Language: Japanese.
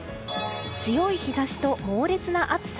強い日差しと猛烈な暑さ。